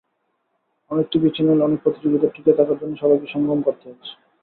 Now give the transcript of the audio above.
অনেক TV channel, অনেক প্রতিযোগিতা, টিকে থাকার জন্য সবাইকে সংগ্রাম করতে হচ্ছে।